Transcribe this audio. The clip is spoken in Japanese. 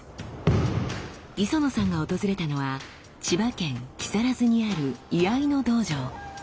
磯野さんが訪れたのは千葉県木更津にある居合の道場。